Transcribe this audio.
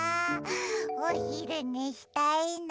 おひるねしたいな。